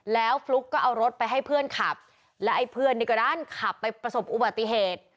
แล้วฟลุ๊กก็เอารถไปให้เพื่อนขับแล้วไอ้เพื่อนนี่ก็ด้านขับไปประสบอุบัติเหตุ